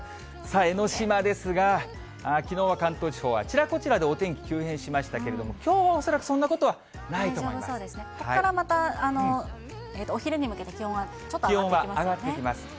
江の島ですが、きのうは関東地方は、あちらこちらでお天気急変しましたけれども、きょうは恐らく、ここからまた、お昼に向けて、気温はちょっと上がってきますよね。